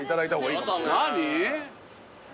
何？